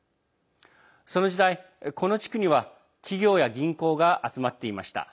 その時代、この地区には企業や銀行が集まっていました。